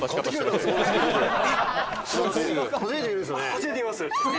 初めて見ますよね？